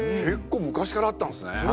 結構昔からあったんすね。